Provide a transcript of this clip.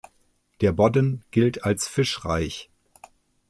Der Bodden gilt als fischreich.